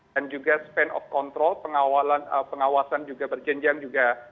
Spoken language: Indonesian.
juga span of control pengawasan juga berjenjang juga